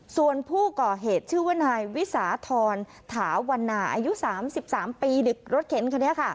ส่วนผู้ก่อเหตุชื่อว่านายวิสาธรถาวันนาอายุ๓๓ปีเด็กรถเข็นคนนี้ค่ะ